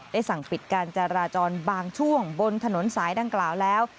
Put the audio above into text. สั่งปิดการจราจรบางช่วงบนถนนสายดังกล่าวแล้ว